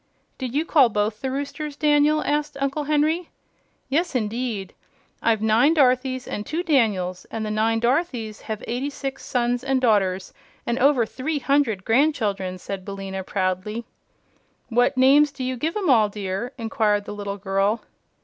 "Did you call both the roosters Daniel?" asked Uncle Henry. "Yes, indeed. I've nine Dorothys and two Daniels; and the nine Dorothys have eighty six sons and daughters and over three hundred grandchildren," said Billina, proudly. "What names do you give 'em all, dear?" inquired the little girl.